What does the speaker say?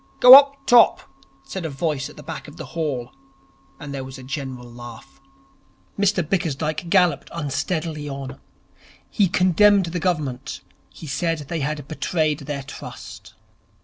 'Gow up top!' said a voice at the back of the hall, and there was a general laugh. Mr Bickersdyke galloped unsteadily on. He condemned the Government. He said they had betrayed their trust.